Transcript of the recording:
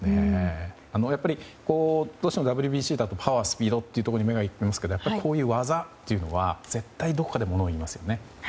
やっぱり、どうしてもＷＢＣだとパワー、スピードというところに目が行くんですけどもやっぱり、こういう技は、絶対どこかでものを言いますよね。